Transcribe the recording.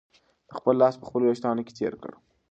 ده خپل لاس په خپلو وېښتانو کې تېر کړ.